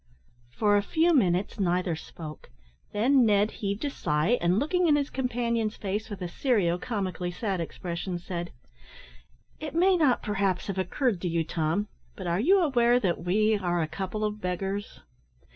For a few minutes neither spoke; then Ned heaved a sigh, and, looking in his companion's face with a serio comically sad expression, said: "It may not, perhaps, have occurred to you, Tom, but are you aware that we are a couple of beggars?"